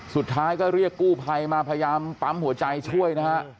สุดท้ายก็เรียกกู้ภัยมาพยายามปั๊มหัวใจช่วยนะฮะ